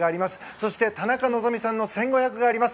そして田中希実さんの１５００があります。